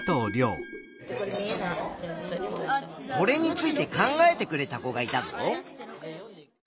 これについて考えてくれた子がいたぞ。